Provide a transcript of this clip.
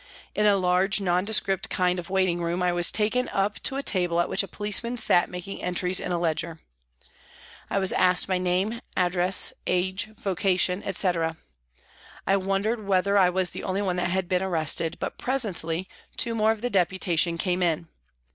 In a large, nondescript kind of waiting room I was taken up to a table at which a policeman sat making entries in a ledger. I was asked my name, address, age, vocation, etc. I wondered whether I was the only one that had been arrested, but presently two more of the Deputation came in.